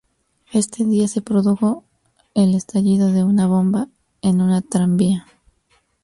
Este día se produjo el estallido de una bomba en un tranvía.